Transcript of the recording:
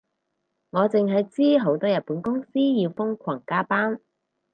我淨係知好多日本公司要瘋狂加班